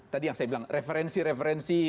tadi yang saya bilang referensi referensi